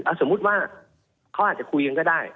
สมมุติว่าเขาอาจจะคุยกันก็ได้